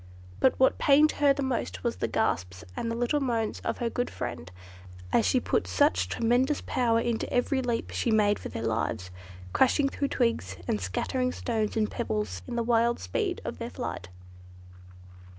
But what pained her most were the gasps and little moans of her good friend, as she put such tremendous power into every leap she made for their lives; crashing through twigs, and scattering stones and pebbles, in the wild speed of their flight.